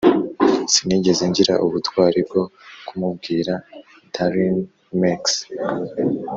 sinigeze ngira ubutwari bwo kumubwira. (darinmex)